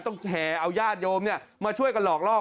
ต้องแห่เอาย่านโยมมาช่วยกันหลอกล่อก